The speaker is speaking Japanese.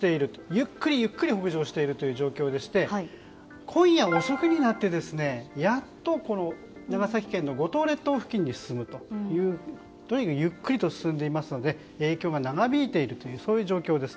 ゆっくりゆっくり北上しているという状況でして今夜遅くになってやっと長崎県の五島列島付近にとにかくゆっくりと進んでいますので影響が長引いているという状況です。